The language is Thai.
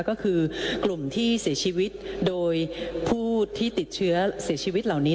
ก็คือกลุ่มที่เสียชีวิตโดยผู้ที่ติดเชื้อเสียชีวิตเหล่านี้